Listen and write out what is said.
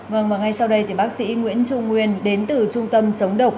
vâng và ngay sau đây thì bác sĩ nguyễn trung nguyên đến từ trung tâm chống độc